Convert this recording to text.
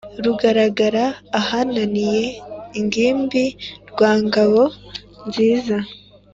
Rugaragara ahananiye ingimbi rwa Ngabo nziza,